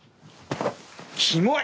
キモい！